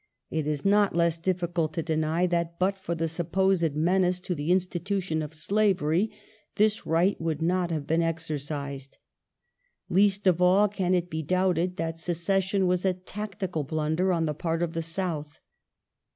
It is not less difficult to deny that, but for the supposed menace to the institution of slavery, this right would not have been exercised. Least of all can it be doubted that secession was a tactical blunder on the part of the South.